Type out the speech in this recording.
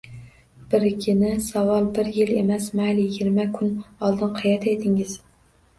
Birgina savol — bir yil emas, mayli, yigirma kun oldin qayerda edingiz?